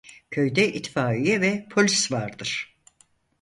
Köyde itfaiye ve polis vardır.